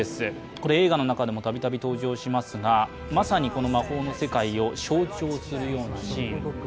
これ映画の中でもたびたび登場しますが、まさに魔法の世界を象徴するようなシーン。